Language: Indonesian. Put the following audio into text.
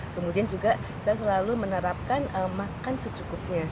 kemudian juga saya selalu menerapkan makan secukupnya